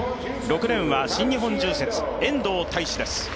６レーンは新日本住設・遠藤泰司です。